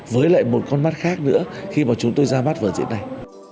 với lại một con mắt khác nữa khi mà chúng tôi ra mắt vở diễn này